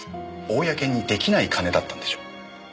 公に出来ない金だったんでしょう。